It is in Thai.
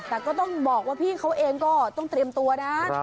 แต่ก็ต้องบอกว่าพี่เขาเองก็ต้องเตรียมตัวนะ